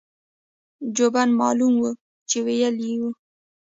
جوبن معلوم وو چې وييلي يې وو-